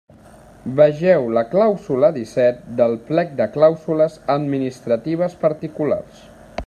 Vegeu la clàusula disset del Plec de Clàusules Administratives Particulars.